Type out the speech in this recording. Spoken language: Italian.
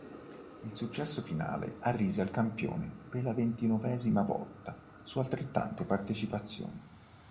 Il successo finale arrise all', campione per la ventinovesima volta su altrettante partecipazioni.